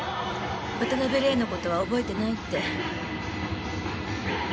渡辺玲の事は覚えてないって。